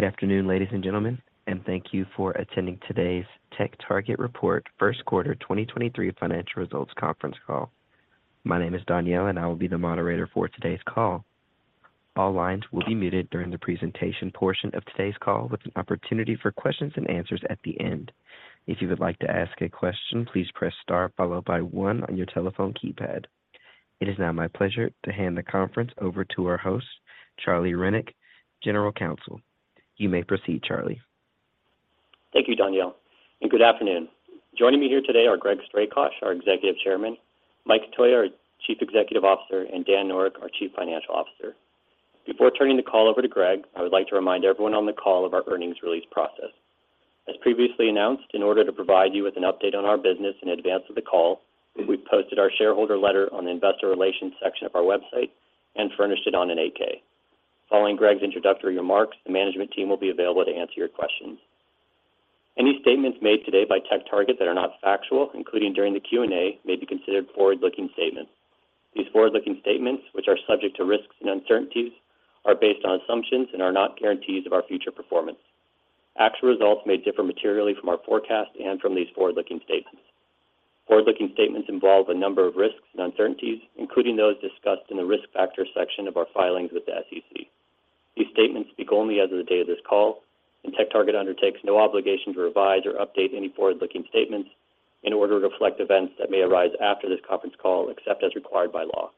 Good afternoon, ladies and gentlemen, and thank you for attending today's TechTarget Report First Quarter 2023 Financial Results Conference Call. My name is Danielle, I will be the moderator for today's call. All lines will be muted during the presentation portion of today's call with an opportunity for questions and answers at the end. If you would like to ask a question, please press star followed by one on your telephone keypad. It is now my pleasure to hand the conference over to our host, Charlie Rennick, General Counsel. You may proceed, Charlie. Thank you, Danielle, and good afternoon. Joining me here today are Greg Strakosch, our Executive Chairman, Michael Cotoia, our Chief Executive Officer, and Dan Noreck, our Chief Financial Officer. Before turning the call over to Greg, I would like to remind everyone on the call of our earnings release process. As previously announced, in order to provide you with an update on our business in advance of the call, we've posted our shareholder letter on the investor relations section of our website and furnished it on an 8-K. Following Greg's introductory remarks, the management team will be available to answer your questions. Any statements made today by TechTarget that are not factual, including during the Q&A, may be considered forward-looking statements. These forward-looking statements, which are subject to risks and uncertainties, are based on assumptions and are not guarantees of our future performance. Actual results may differ materially from our forecast and from these forward-looking statements. Forward-looking statements involve a number of risks and uncertainties, including those discussed in the Risk Factors section of our filings with the SEC. These statements speak only as of the day of this call, and TechTarget undertakes no obligation to revise or update any forward-looking statements in order to reflect events that may arise after this conference call, except as required by law.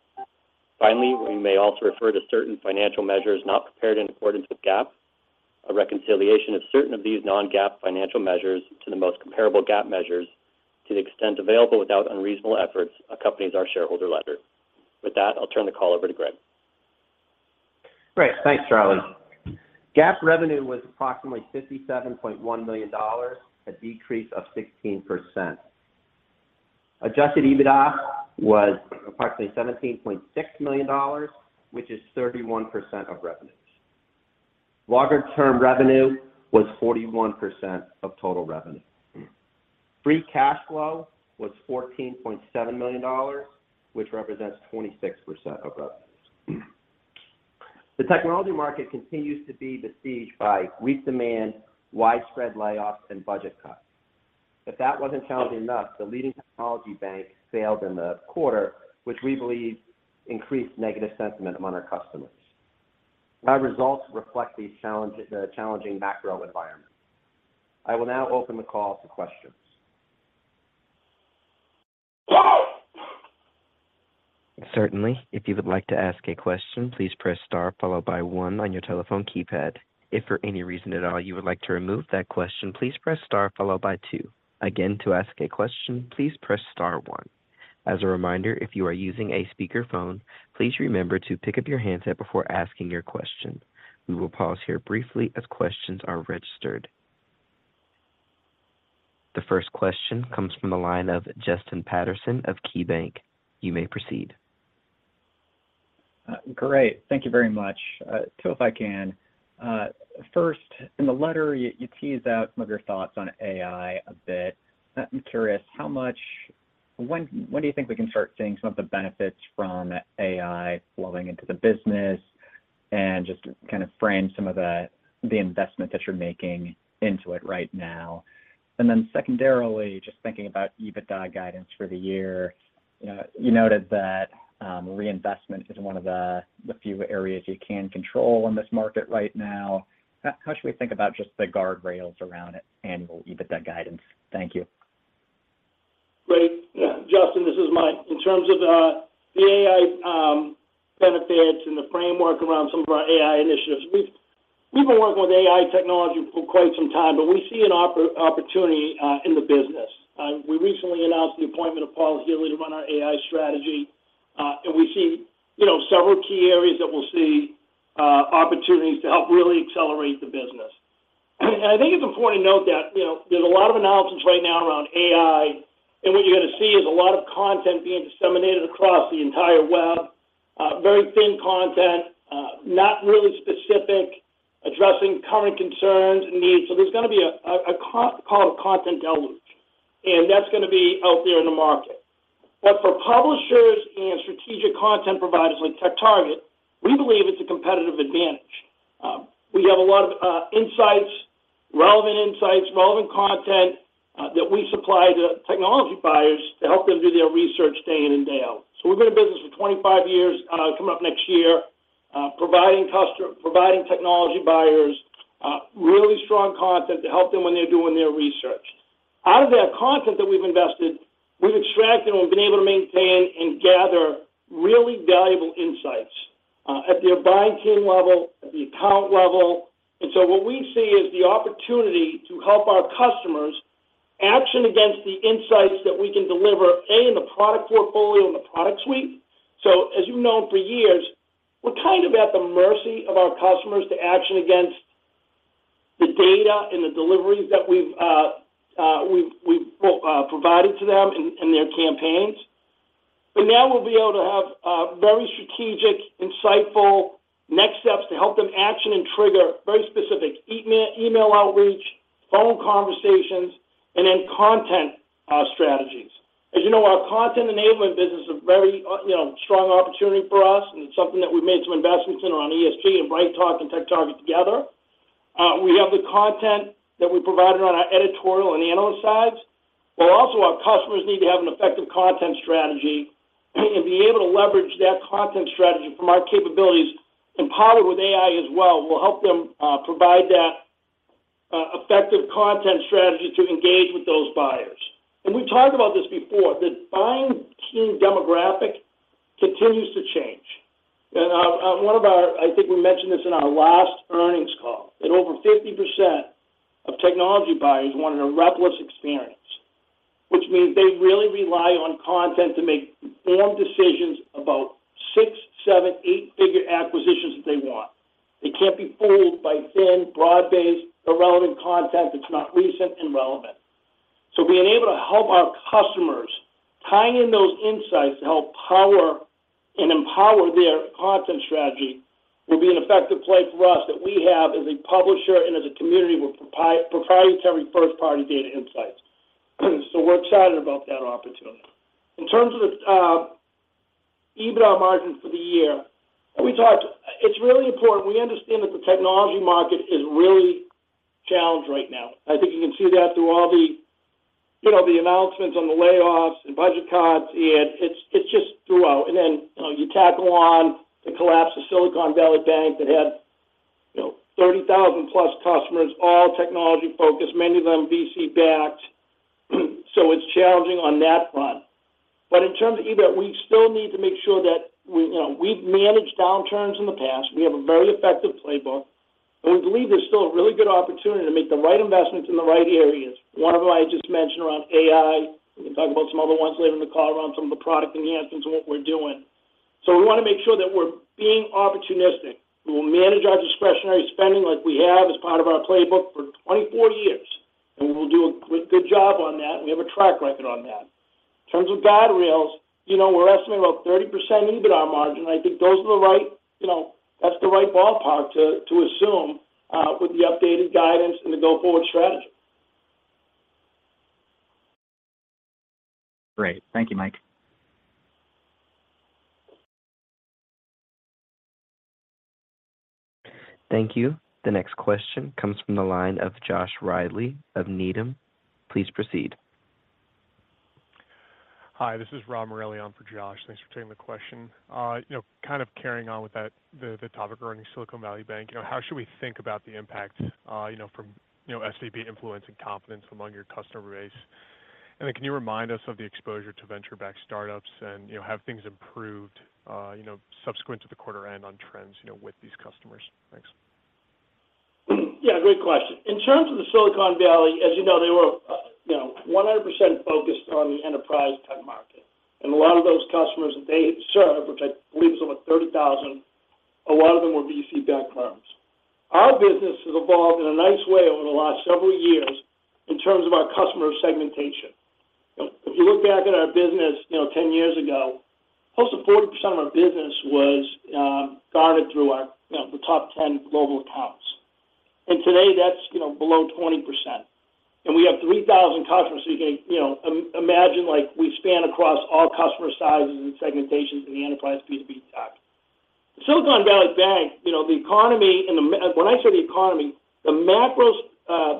Finally, we may also refer to certain financial measures not prepared in accordance with GAAP, a reconciliation of certain of these non-GAAP financial measures to the most comparable GAAP measures to the extent available without unreasonable efforts accompanies our shareholder letter. With that, I'll turn the call over to Greg. Great. Thanks, Charlie. GAAP revenue was approximately $57.1 million, a decrease of 16%. Adjusted EBITDA was approximately $17.6 million, which is 31% of revenues. Longer-term revenue was 41% of total revenue. Free cash flow was $14.7 million, which represents 26% of revenues. The technology market continues to be besieged by weak demand, widespread layoffs, and budget cuts. If that wasn't challenging enough, the leading technology bank failed in the quarter, which we believe increased negative sentiment among our customers. Our results reflect the challenging macro environment. I will now open the call to questions. Certainly. If you would like to ask a question, please press star followed by one on your telephone keypad. If for any reason at all you would like to remove that question, please press star followed by two. Again, to ask a question, please press star one. As a reminder, if you are using a speakerphone, please remember to pick up your handset before asking your question. We will pause here briefly as questions are registered. The first question comes from the line of Justin Patterson of KeyBanc. You may proceed. Great. Thank you very much. Two if I can. First, in the letter, you teased out some of your thoughts on AI a bit. I'm curious when do you think we can start seeing some of the benefits from AI flowing into the business and just to kind of frame some of the investment that you're making into it right now? Then secondarily, just thinking about EBITDA guidance for the year, you know, you noted that reinvestment is one of the few areas you can control in this market right now. How should we think about just the guardrails around it annual EBITDA guidance? Thank you. Great. Justin, this is Mike. In terms of the AI benefits and the framework around some of our AI initiatives, we've been working with AI technology for quite some time, but we see an opportunity in the business. We recently announced the appointment of Paul Gillin to run our AI strategy, and we see, you know, several key areas that we'll see opportunities to help really accelerate the business. I think it's important to note that, you know, there's a lot of announcements right now around AI, and what you're gonna see is a lot of content being disseminated across the entire web, very thin content, not really specific, addressing common concerns and needs. There's gonna be a so-called content deluge, and that's gonna be out there in the market. For publishers and strategic content providers like TechTarget, we believe it's a competitive advantage. We have a lot of insights, relevant insights, relevant content that we supply to technology buyers to help them do their research day in and day out. We've been in business for 25 years, coming up next year, providing technology buyers really strong content to help them when they're doing their research. Out of that content that we've invested, we've extracted and we've been able to maintain and gather really valuable insights at their buying team level, at the account level. What we see is the opportunity to help our customers action against the insights that we can deliver, A, in the product portfolio, in the product suite. As you've known for years, we're kind of at the mercy of our customers to action against the data and the deliveries that we've provided to them in their campaigns. Now we'll be able to have very strategic, insightful next steps to help them action and trigger very specific email outreach, phone conversations, and then content strategy. As you know, our Content Enablement business is a very, you know, strong opportunity for us, and it's something that we've made some investments in around ESG and BrightTALK and TechTarget together. We have the content that we provided on our editorial and analyst sides, but also our customers need to have an effective content strategy and be able to leverage that content strategy from our capabilities and pilot with AI as well, will help them provide that effective content strategy to engage with those buyers. We've talked about this before, the buying team demographic continues to change. I think we mentioned this in our last earnings call, that over 50% of technology buyers want an effortless experience, which means they really rely on content to make informed decisions about six, seven, eight-figure acquisitions that they want. They can't be fooled by thin, broad-based, irrelevant content that's not recent and relevant. Being able to help our customers tie in those insights to help power and empower their content strategy will be an effective play for us that we have as a publisher and as a community with proprietary first-party data insights. We're excited about that opportunity. In terms of the EBITDA margins for the year, we talked. It's really important. We understand that the technology market is really challenged right now. I think you can see that through all the, you know, the announcements on the layoffs and budget cuts, and it's just throughout. You know, you tack on the collapse of Silicon Valley Bank that had, you know, 30,000 plus customers, all technology-focused, many of them VC-backed. It's challenging on that front. In terms of EBITDA, we still need to make sure that we, you know, we've managed downturns in the past. We have a very effective playbook, and we believe there's still a really good opportunity to make the right investments in the right areas. One of them I just mentioned around AI. We can talk about some other ones later in the call around some of the product enhancements and what we're doing. We wanna make sure that we're being opportunistic. We will manage our discretionary spending like we have as part of our playbook for 24 years, and we will do a good job on that, and we have a track record on that. In terms of guardrails, you know, we're estimating about 30% EBITDA margin. I think those are the right, you know, that's the right ballpark to assume, with the updated guidance and the go-forward strategy. Great. Thank you, Mike. Thank you. The next question comes from the line of Joshua Reilly of Needham. Please proceed. Hi, this is Rob Morelli on for Josh. Thanks for taking the question. You know, kind of carrying on with that, the topic around Silicon Valley Bank, you know, how should we think about the impact, you know, from, you know, SVB influencing confidence among your customer base? Can you remind us of the exposure to venture-backed startups and, you know, have things improved, you know, subsequent to the quarter end on trends, you know, with these customers? Thanks. Yeah, great question. In terms of the Silicon Valley, as you know, they were, you know, 100% focused on the enterprise tech market. A lot of those customers that they serve, which I believe is over 30,000, a lot of them were VC-backed firms. Our business has evolved in a nice way over the last several years in terms of our customer segmentation. If you look back at our business, you know, 10 years ago, close to 40% of our business was guarded through our, you know, the top 10 global accounts. Today that's, you know, below 20%. We have 3,000 customers, so you can, you know, imagine, like, we span across all customer sizes and segmentations in the enterprise B2B tech. Silicon Valley Bank, you know, the economy and the When I say the economy, the macros,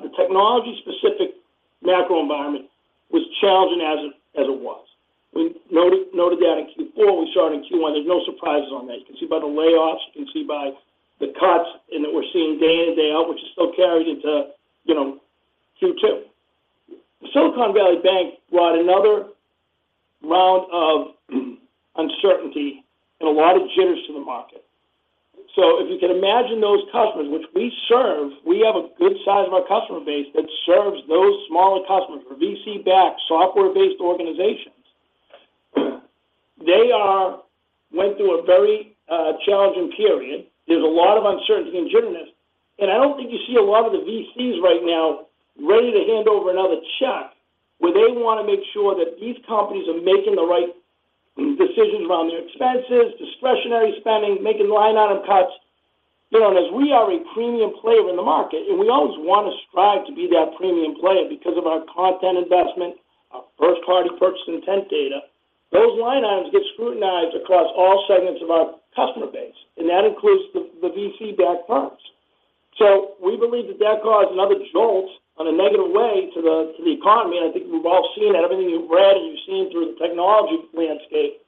the technology-specific macro environment was challenging as it was. We noted that in Q4. We saw it in Q1. There's no surprises on that. You can see by the layoffs, you can see by the cuts in that we're seeing day in and day out, which is still carried into, you know, Q2. The Silicon Valley Bank brought another round of uncertainty and a lot of jitters to the market. If you can imagine those customers which we serve, we have a good size of our customer base that serves those smaller customers or VC-backed software-based organizations. They went through a very challenging period. There's a lot of uncertainty and jitterness, I don't think you see a lot of the VCs right now ready to hand over another check where they wanna make sure that these companies are making the right decisions around their expenses, discretionary spending, making line item cuts. You know, as we are a premium player in the market, and we always want to strive to be that premium player because of our content investment, our first-party purchase intent data, those line items get scrutinized across all segments of our customer base, and that includes the VC-backed firms. We believe that that caused another jolt on a negative way to the economy, and I think we've all seen that. Everything you've read and you've seen through the technology landscape,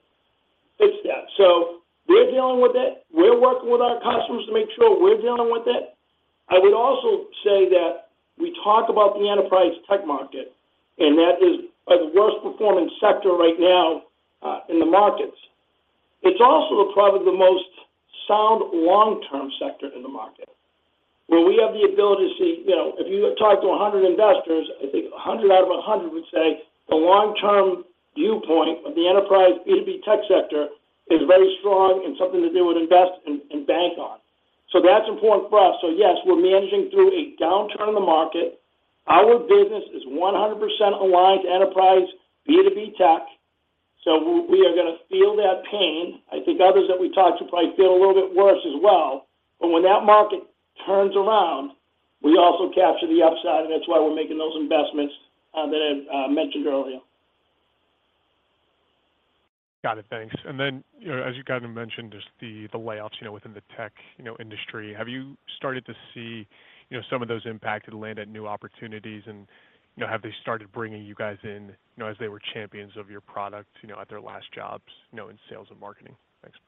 it's that. We're dealing with it. We're working with our customers to make sure we're dealing with it. I would also say that we talk about the enterprise tech market, and that is the worst performing sector right now in the markets. It's also probably the most sound long-term sector in the market, where we have the ability to see... You know, if you talk to 100 investors, I think 100 out of 100 would say the long-term viewpoint of the enterprise B2B tech sector is very strong and something that they would invest and bank on. That's important for us. Yes, we're managing through a downturn in the market. Our business is 100% aligned to enterprise B2B tech. We are gonna feel that pain. I think others that we talked to probably feel a little bit worse as well. When that market turns around, we also capture the upside, and that's why we're making those investments that I mentioned earlier. Got it. Thanks. You know, as you kinda mentioned, just the layoffs, you know, within the tech, you know, industry. Have you started to see, you know, some of those impacted land at new opportunities and, you know, have they started bringing you guys in, you know, as they were champions of your product, you know, at their last jobs, you know, in sales and marketing? Thanks.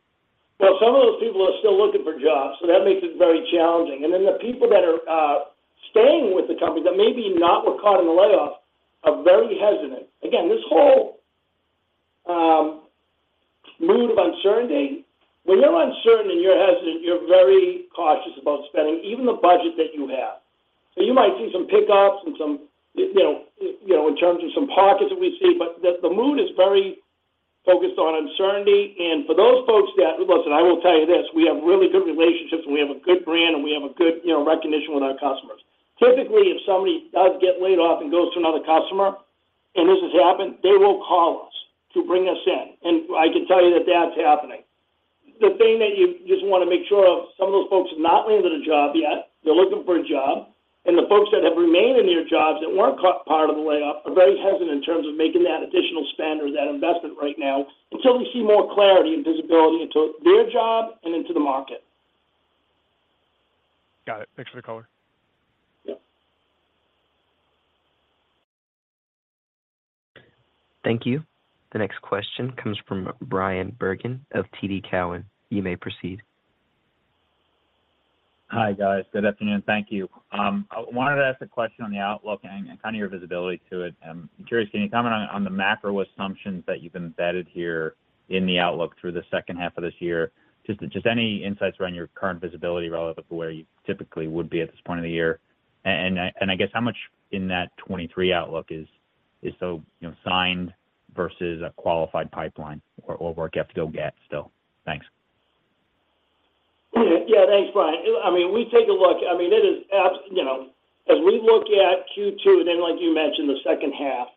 Some of those people are still looking for jobs, so that makes it very challenging. The people that are staying with the company that maybe not were caught in the layoff are very hesitant. Again, this whole mood of uncertainty. When you're uncertain and you're hesitant, you're very cautious about spending even the budget that you have. You might see some pick-ups and some, you know, in terms of some pockets that we see, but the mood is very focused on uncertainty. Listen, I will tell you this, we have really good relationships, and we have a good brand, and we have a good, you know, recognition with our customers. Typically, if somebody does get laid off and goes to another customer, and this has happened, they will call us to bring us in, and I can tell you that that's happening. The thing that you just wanna make sure of, some of those folks have not landed a job yet. They're looking for a job. The folks that have remained in their jobs that weren't caught part of the layoff are very hesitant in terms of making that additional spend or that investment right now until they see more clarity and visibility into their job and into the market. Got it. Thanks for the color. Yep. Thank you. The next question comes from Bryan Bergin of TD Cowen. You may proceed. Hi, guys. Good afternoon. Thank you. I wanted to ask a question on the outlook and kind of your visibility to it. I'm curious, can you comment on the macro assumptions that you've embedded here in the outlook through the second half of this year? Just any insights around your current visibility relevant to where you typically would be at this point of the year. I guess how much in that 2023 outlook is so, you know, signed versus a qualified pipeline or you have to go get still? Thanks. Yeah. Thanks, Bryan. I mean, we take a look. I mean, it is, you know, as we look at Q2, and then like you mentioned, the second half,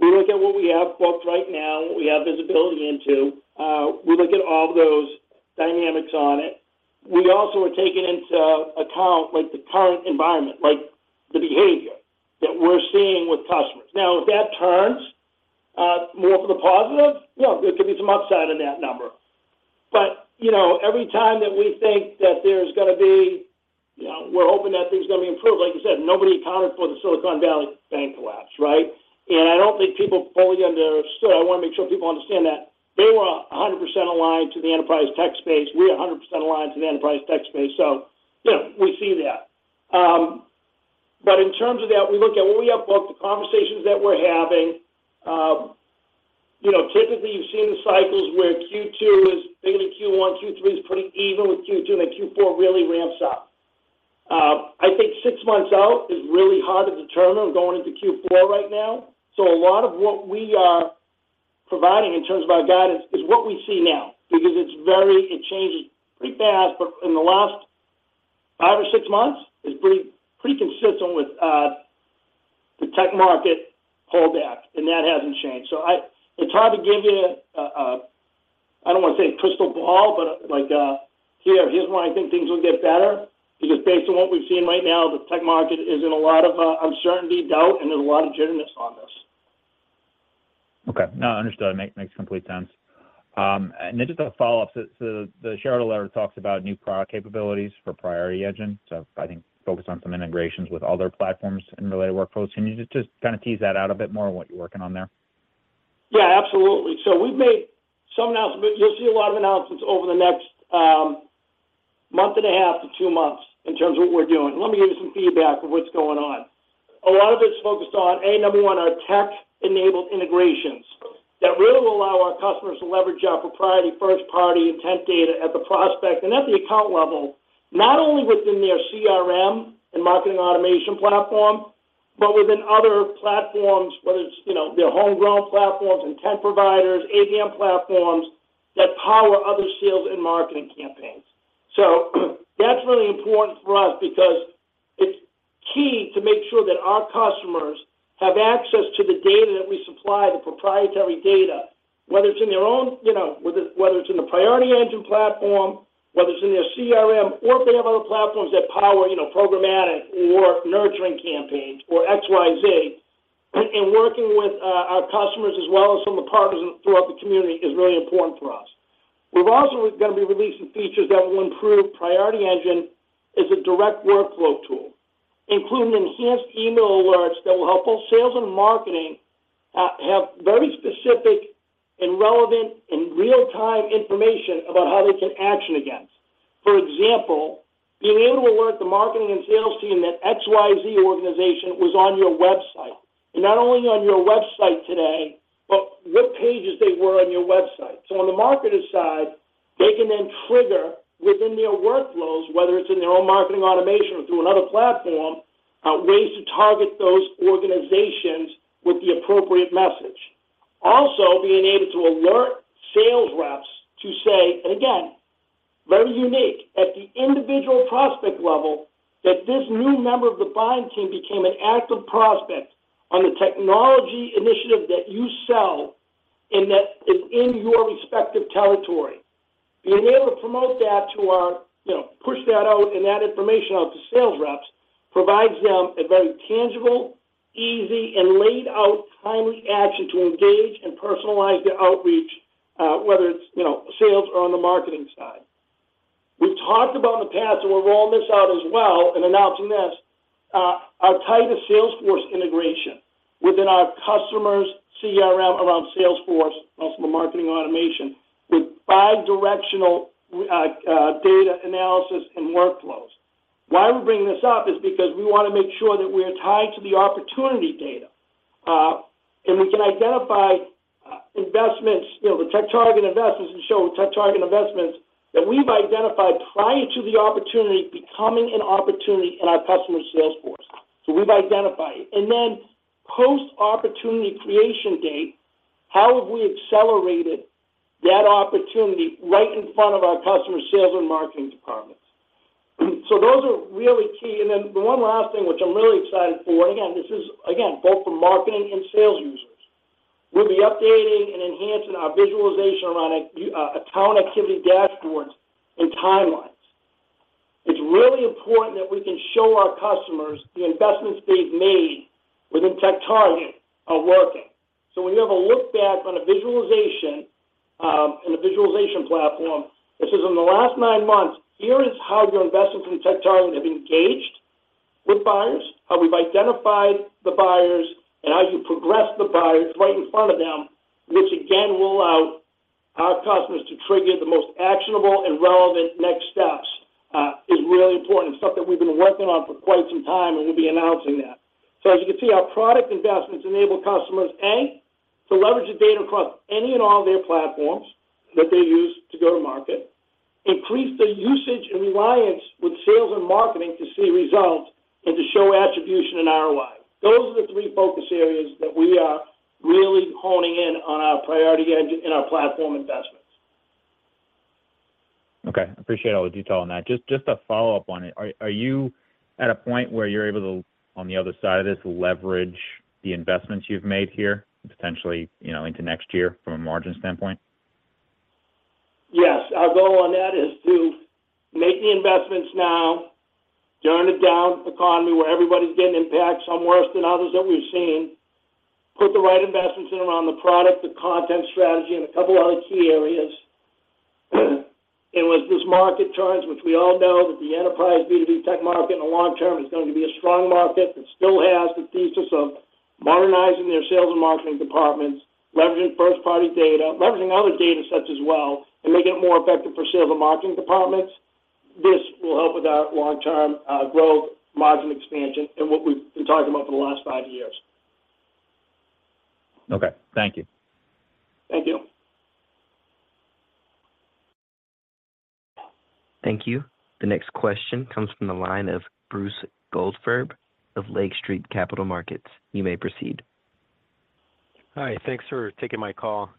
we look at what we have booked right now and what we have visibility into. We look at all those dynamics on it. We also are taking into account like the current environment, like the behavior that we're seeing with customers. Now if that turns more for the positive, you know, there could be some upside in that number. You know, every time that we think that there's gonna be, you know, we're hoping that things are gonna be improved, like you said, nobody accounted for the Silicon Valley Bank collapse, right? I don't think people fully understand. I wanna make sure people understand that they were 100% aligned to the enterprise tech space. We are 100% aligned to the enterprise tech space. You know, we see that. In terms of that, we look at what we have booked, the conversations that we're having. You know, typically you've seen the cycles where Q2 is bigger than Q1, Q3 is pretty even with Q2, then Q4 really ramps up. I think 6 months out is really hard to determine going into Q4 right now. A lot of what we are providing in terms of our guidance is what we see now because it's very... it changes pretty fast. In the last five or six months, it's pretty consistent with the tech market pullback, and that hasn't changed. It's hard to give you a... I don't wanna say crystal ball, but like, here's when I think things will get better because based on what we've seen right now, the tech market is in a lot of uncertainty, doubt, and there's a lot of genuineness on this. Okay. No, understood. Makes complete sense. Just a follow-up. The shareholder letter talks about new product capabilities for Priority Engine, so I think focused on some integrations with other platforms and related workflows. Can you just kinda tease that out a bit more on what you're working on there? We've made some announcements. You'll see a lot of announcements over the next month and a half to two months in terms of what we're doing. Let me give you some feedback of what's going on. A lot of it's focused on, A, number one, our tech-enabled integrations that really will allow our customers to leverage our proprietary first-party intent data at the prospect and at the account level, not only within their CRM and marketing automation platform, but within other platforms, whether it's, you know, their homegrown platforms, intent providers, ABM platforms that power other sales and marketing campaigns. That's really important for us because it's key to make sure that our customers have access to the data that we supply, the proprietary data, whether it's in their own, you know, whether it's in the Priority Engine platform, whether it's in their CRM or if they have other platforms that power, you know, programmatic or nurturing campaigns or XYZ. Working with our customers as well as some of the partners throughout the community is really important for us. We're also gonna be releasing features that will improve Priority Engine as a direct workflow tool, including enhanced email alerts that will help both sales and marketing have very specific and relevant and real-time information about how they take action against. For example, being able to alert the marketing and sales team that XYZ organization was on your website, and not only on your website today, but what pages they were on your website. On the marketer side, they can then trigger within their workflows, whether it's in their own marketing automation or through another platform, ways to target those organizations with the appropriate message. Also, being able to alert to say, and again, very unique, at the individual prospect level, that this new member of the buying team became an active prospect on the technology initiative that you sell and that is in your respective territory. Being able to promote that to our... You know, push that out and that information out to sales reps provides them a very tangible, easy, and laid out timely action to engage and personalize their outreach, whether it's, you know, sales or on the marketing side. We've talked about in the past, and we're rolling this out as well in announcing this, our tighter Salesforce integration within our customers' CRM around Salesforce, also the marketing automation, with bi-directional data analysis and workflows. Why we're bringing this up is because we wanna make sure that we're tied to the opportunity data, and we can identify investments, you know, the TechTarget investments and show TechTarget investments that we've identified prior to the opportunity becoming an opportunity in our customer Salesforce. We've identified it. Post opportunity creation date, how have we accelerated that opportunity right in front of our customer sales and marketing departments? Those are really key. The one last thing which I'm really excited for, and again, this is again, both for marketing and sales users. We'll be updating and enhancing our visualization around account activity dashboards and timelines. It's really important that we can show our customers the investments they've made within TechTarget are working. When you have a look back on a visualization, in a visualization platform that says in the last 9 months, here is how your investments in TechTarget have engaged with buyers, how we've identified the buyers, and how you progress the buyers right in front of them, which again will allow our customers to trigger the most actionable and relevant next steps, is really important. Stuff that we've been working on for quite some time, and we'll be announcing that. As you can see, our product investments enable customers, A, to leverage the data across any and all their platforms that they use to go to market, increase the usage and reliance with sales and marketing to see results, and to show attribution and ROI. Those are the three focus areas that we are really honing in on our priority and in our platform investments. Okay. Appreciate all the detail on that. Just a follow-up on it. Are you at a point where you're able to, on the other side of this, leverage the investments you've made here, potentially, you know, into next year from a margin standpoint? Yes. Our goal on that is to make the investments now during the down economy where everybody's getting impact, some worse than others that we've seen, put the right investments in around the product, the content strategy, and a couple other key areas. As this market turns, which we all know that the enterprise B2B tech market in the long term is going to be a strong market that still has the thesis of modernizing their sales and marketing departments, leveraging first party data, leveraging other data sets as well, and making it more effective for sales and marketing departments. This will help with our long-term growth, margin expansion, and what we've been talking about for the last five years. Okay. Thank you. Thank you. Thank you. The next question comes from the line of Bruce Goldfarb of Lake Street Capital Markets. You may proceed. Hi. Thanks for taking my call.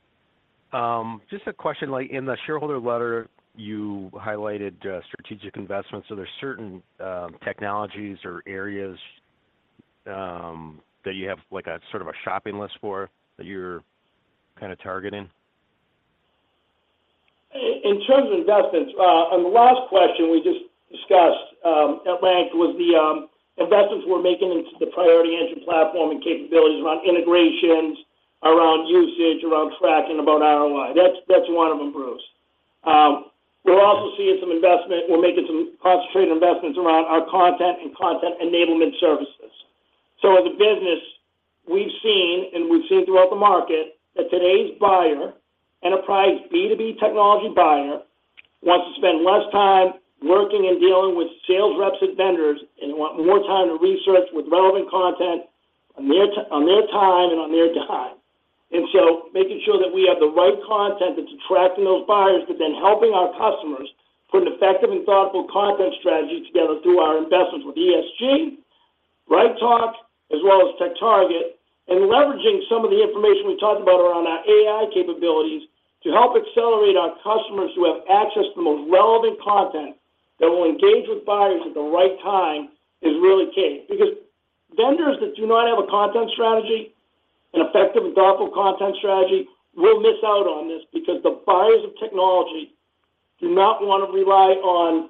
Just a question. Like, in the shareholder letter, you highlighted strategic investments. Are there certain technologies or areas that you have like a sort of a shopping list for, that you're kinda targeting? In terms of investments, on the last question we just discussed at length, was the investments we're making into the Priority Engine platform and capabilities around integrations, around usage, around tracking, about ROI. That's one of them, Bruce. We're also seeing some investment. We're making some concentrated investments around our content and content enablement services. As a business, we've seen, and we've seen throughout the market, that today's buyer, enterprise B2B technology buyer, wants to spend less time working and dealing with sales reps and vendors and want more time to research with relevant content on their time and on their dime. Making sure that we have the right content that's attracting those buyers, but then helping our customers put an effective and thoughtful content strategy together through our investments with ESG, BrightTALK, as well as TechTarget, and leveraging some of the information we talked about around our AI capabilities to help accelerate our customers who have access to the most relevant content that will engage with buyers at the right time, is really key. Vendors that do not have a content strategy, an effective and thoughtful content strategy, will miss out on this because the buyers of technology do not wanna rely on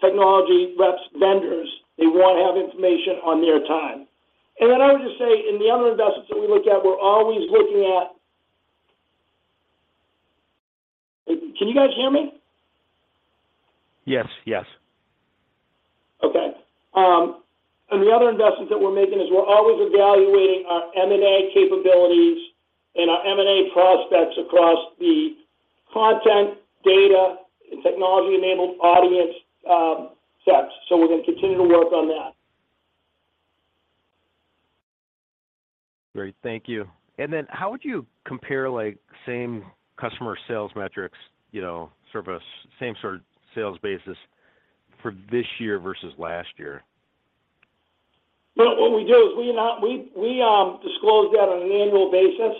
technology reps, vendors. They wanna have information on their time. I would just say in the other investments that we look at, we're always looking at. Can you guys hear me? Yes. Yes. Okay. The other investments that we're making is we're always evaluating our M&A capabilities and our M&A prospects across the content, data, and technology-enabled audience sets. We're gonna continue to work on that. Great. Thank you. Then how would you compare, like, same customer sales metrics, you know, sort of a same sort of sales basis for this year versus last year? Well, what we do is we disclose that on an annual basis.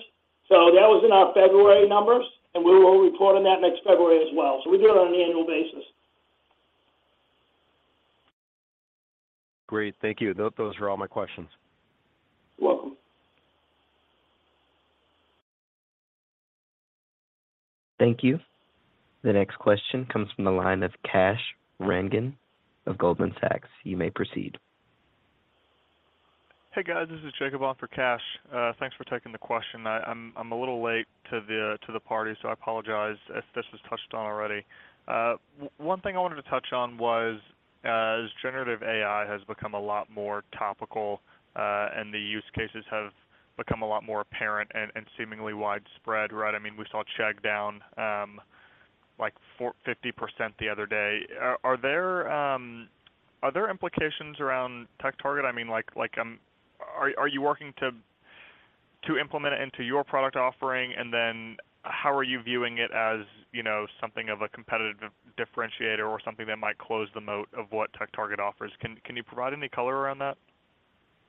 That was in our February numbers, and we will report on that next February as well. We do it on an annual basis. Great. Thank you. Those are all my questions. Welcome. Thank you. The next question comes from the line of Kash Rangan of Goldman Sachs. You may proceed. Hey, guys. This is Jacob on for Kash. Thanks for taking the question. I'm a little late to the party. I apologize if this was touched on already. One thing I wanted to touch on was, as generative AI has become a lot more topical, and the use cases have become a lot more apparent and seemingly widespread, right? I mean, we saw Chegg down like 50% the other day. Are there implications around TechTarget? I mean, like, are you working to implement it into your product offering? How are you viewing it as, you know, something of a competitive differentiator or something that might close the moat of what TechTarget offers? Can you provide any color around that?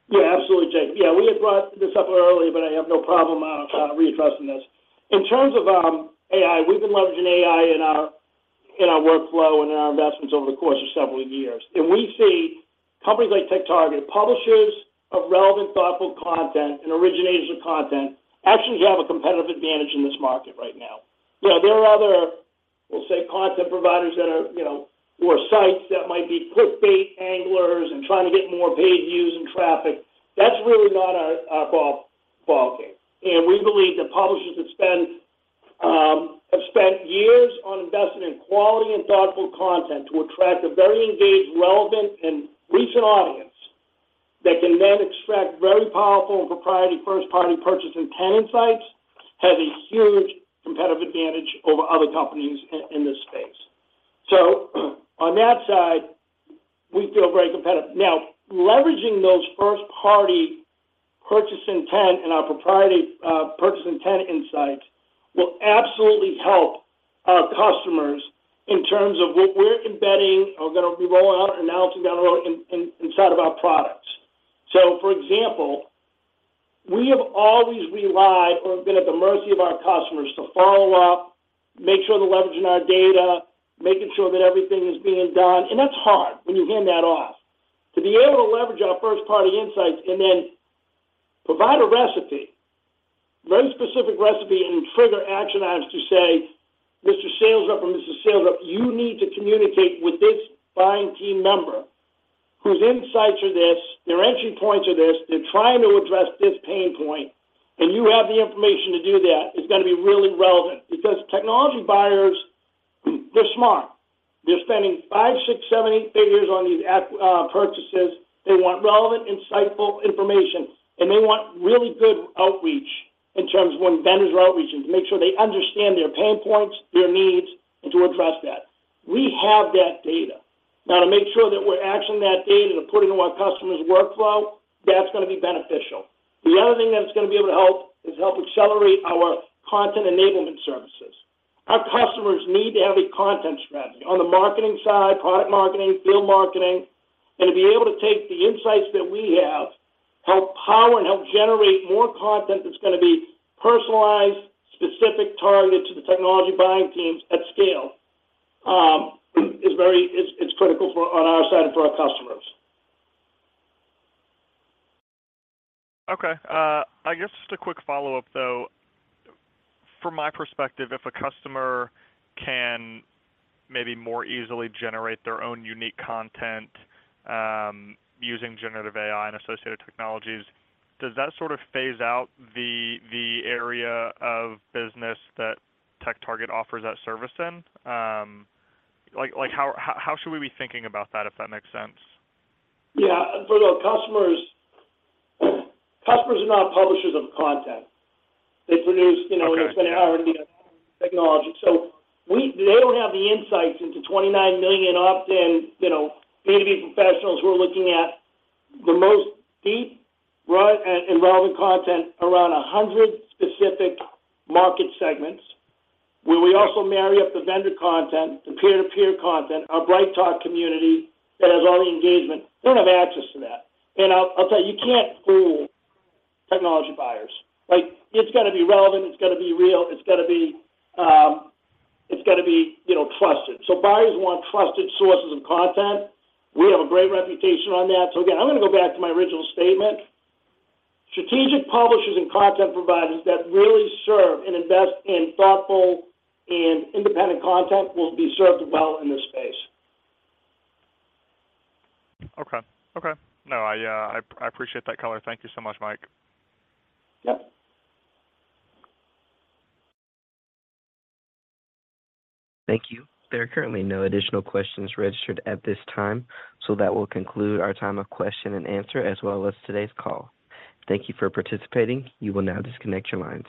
Absolutely, Jake. We had brought this up earlier, but I have no problem readdressing this. In terms of AI, we've been leveraging AI in our workflow and in our investments over the course of several years. We see companies like TechTarget, publishers of relevant, thoughtful content and originators of content, actually have a competitive advantage in this market right now. You know, there are other, we'll say, content providers that are, you know, or sites that might be clickbait anglers and trying to get more paid views and traffic. That's really not our ballgame. We believe that publishers that spend, have spent years on investing in quality and thoughtful content to attract a very engaged, relevant, and recent audience that can then extract very powerful and proprietary first-party purchase intent insights, have a huge competitive advantage over other companies in this space. On that side, we feel very competitive. Leveraging those first-party purchase intent and our proprietary purchase intent insights will absolutely help our customers in terms of what we're embedding or gonna be rolling out and announcing down the road inside of our products. For example, we have always relied or been at the mercy of our customers to follow up, make sure they're leveraging our data, making sure that everything is being done. That's hard when you hand that off. To be able to leverage our first-party insights and then provide a recipe, very specific recipe, and trigger action items to say, "Mr. Sales rep or Mrs. Sales rep, you need to communicate with this buying team member whose insights are this, their entry points are this, they're trying to address this pain point, and you have the information to do that," is gonna be really relevant. Because technology buyers, they're smart. They're spending five, six seven, eight figures on these app purchases. They want relevant, insightful information, and they want really good outreach in terms of when vendors are outreaching to make sure they understand their pain points, their needs, and to address that. We have that data. Now, to make sure that we're actioning that data to put into our customer's workflow, that's gonna be beneficial. The other thing that's gonna be able to help is help accelerate our Content Enablement services. Our customers need to have a content strategy on the marketing side, product marketing, field marketing. To be able to take the insights that we have, help power and help generate more content that's gonna be personalized, specific, targeted to the technology buying teams at scale, is critical for on our side and for our customers. Okay. I guess just a quick follow-up, though. From my perspective, if a customer can maybe more easily generate their own unique content, using generative AI and associated technologies, does that sort of phase out the area of business that TechTarget offers that service in? Like how should we be thinking about that, if that makes sense? Yeah. For the customers are not publishers of content. They produce, you know. Okay. They spend an hour and get a technology. They don't have the insights into 29 million opt-in, you know, B2B professionals who are looking at the most deep and relevant content around 100 specific market segments, where we also marry up the vendor content, the peer-to-peer content, our BrightTALK community that has all the engagement. They don't have access to that. I'll tell you can't fool technology buyers. Like, it's gotta be relevant, it's gotta be real, it's gotta be, it's gotta be, you know, trusted. Buyers want trusted sources of content. We have a great reputation on that. Again, I'm gonna go back to my original statement. Strategic publishers and content providers that really serve and invest in thoughtful and independent content will be served well in this space. Okay. Okay. No, I appreciate that color. Thank you so much, Mike. Yep. Thank you. There are currently no additional questions registered at this time. That will conclude our time of question and answer as well as today's call. Thank you for participating. You will now disconnect your lines.